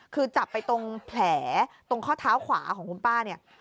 คือจับไปตรงแผลตรงข้อเท้าขวาของคุณป้าเนี่ย